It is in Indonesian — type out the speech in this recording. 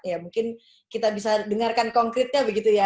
ya mungkin kita bisa dengarkan konkretnya begitu ya